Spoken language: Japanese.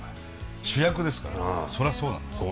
主役ですからそりゃそうなんですよ。